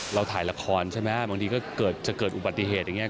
เราถ่ายละครใช่ไหมบางทีก็จะเกิดอุบัติเหตุอย่างนี้